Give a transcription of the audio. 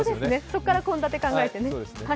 そこから献立を考えてね。